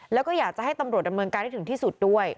แล้วก็อยากจะให้ตำรวจดำเนินการให้ถึงที่สุดด้วย